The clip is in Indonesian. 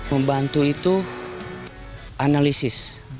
membantu itu analisis